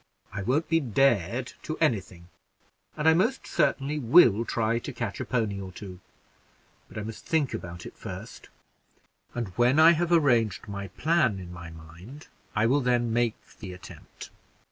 I won't be dared to any thing, and I most certainly will try to catch a pony or two; but I must think about it first, and when I have arranged my plan in my mind, I will then make the attempt."